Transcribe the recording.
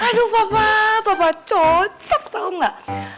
aduh papa papa cocok tau gak